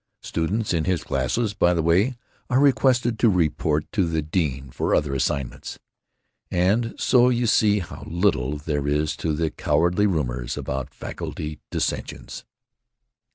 Students in his classes, by the way, are requested to report to the dean for other assignments.... And so you see how little there is to the cowardly rumors about 'faculty dissensions'!"